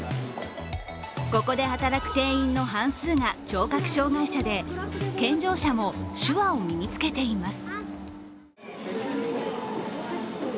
ここで働く店員の半数が聴覚障害者で健常者も手話を身につけています。